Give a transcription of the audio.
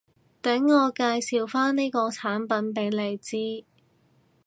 等我介紹返呢個產品畀你知